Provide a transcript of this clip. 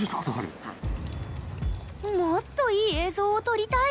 もっといい映像を撮りたい！